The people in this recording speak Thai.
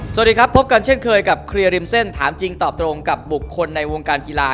สวัสดีครับพบกันเช่นเคยกับเคลียร์ริมเส้นถามจริงตอบตรงกับบุคคลในวงการกีฬา